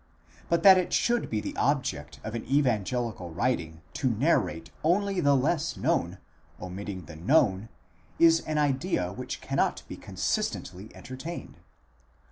But that it should be the object of an evangelical writing to narrate only the less known, omitting the known, is an idea which cannot be consistently entertained.